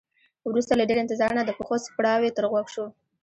وروسته له ډیر انتظار نه د پښو څپړاوی تر غوږ شو.